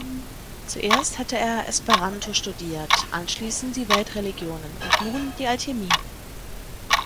Zuerst hatte er Esperanto studiert, anschließend die Weltreligionen und nun die Alchemie.